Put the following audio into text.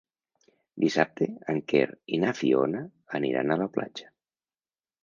Dissabte en Quer i na Fiona aniran a la platja.